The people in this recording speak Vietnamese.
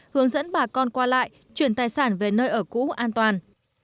hướng dẫn bà con qua lại chuyển tài sản về nơi ở cũ an toàn